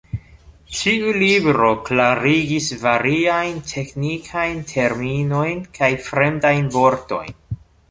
Tiu libro klarigis variajn teknikajn terminojn kaj fremdajn vortojn.